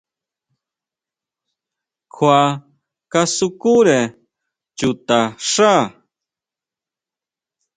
Kjua kasukúre chuta xá.